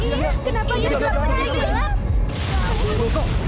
kenapa ini gelap gelap